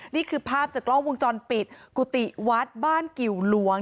นี่คือภาพจากกล้องวงจรปิดกุฏิวัดบ้านกิวหลวง